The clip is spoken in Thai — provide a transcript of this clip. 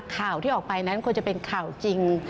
ข่าวที่ออกไปนั้นควรจะเป็นข่าวจริง